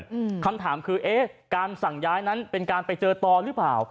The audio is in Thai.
อืมคำถามคือเอ๊ะการสั่งย้ายนั้นเป็นการไปเจอต่อหรือเปล่า